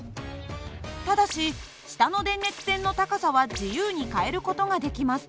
ただし下の電熱線の高さは自由に変える事ができます。